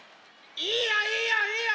いいよいいよいいよ！